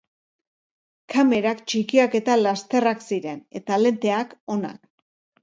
Kamerak txikiak eta lasterrak ziren, eta lenteak onak.